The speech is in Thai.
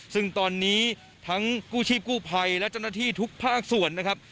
ซึ่งตอนนี้ทั้งกู้ชีพกู้ภัยและเจ้าหน้าที่ทุกภาคส่วนนะครับ